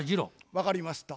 分かりました。